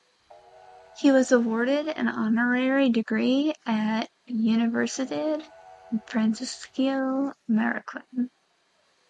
He was awarded an honorary degree at Universidad Francisco Marroquin.